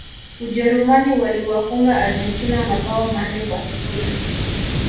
Ujerumani waliwafunga Argentina mabao manne kwa sifuri